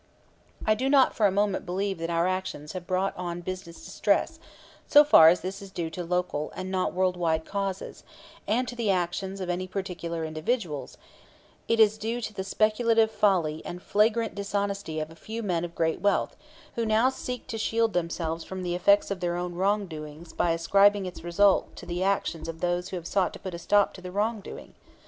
I do not for a moment believe that our actions have brought on business distress; so far as this is due to local and not world wide causes, and to the actions of any particular individuals, it is due to the speculative folly and flagrant dishonesty of a few men of great wealth, who now seek to shield themselves from the effects of their own wrongdoings by ascribing its results to the actions of those who have sought to put a stop to the wrongdoing.